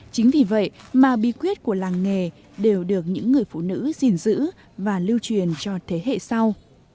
chính vì vậy mà bí quyết của làng nghề đều được những người phụ nữ gìn giữ và lưu truyền cho thế hệ sau